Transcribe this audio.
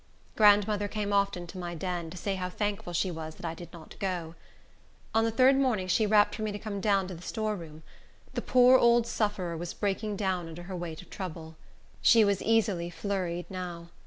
Grandmother came often to my den, to say how thankful she was I did not go. On the third morning she rapped for me to come down to the storeroom. The poor old sufferer was breaking down under her weight of trouble. She was easily flurried now.